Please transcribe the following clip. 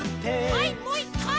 はいもう１かい！